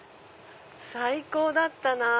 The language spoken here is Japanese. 最高だったなぁ。